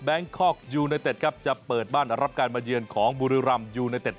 คอกยูไนเต็ดครับจะเปิดบ้านรับการมาเยือนของบุรีรำยูไนเต็ด